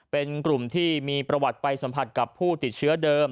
เป็นกลุ่มที่มีประวัติไปสัมผัสกับผู้ติดเชื้อเดิม